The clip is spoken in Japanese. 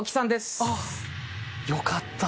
よかった。